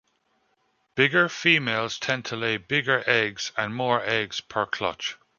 Bigger females tend to lay bigger eggs and more eggs per clutch.